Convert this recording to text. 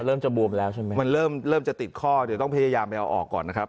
เริ่มจะบวมแล้วใช่ไหมมันเริ่มเริ่มจะติดข้อเดี๋ยวต้องพยายามไปเอาออกก่อนนะครับ